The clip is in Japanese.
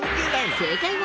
正解は。